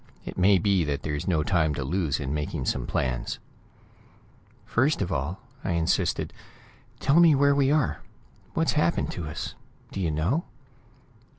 It may be that there's no time to lose in making some plans." "First of all," I insisted, "tell me where we are; what's happened to us. Do you know?"